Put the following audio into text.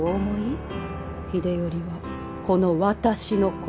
秀頼はこの私の子。